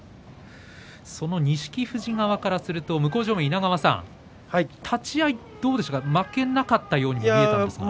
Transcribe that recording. その錦富士側からすると向正面の稲川さん立ち合いは負けなかったようにも見えたんですが。